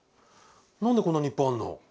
何でこんなにいっぱいあんの？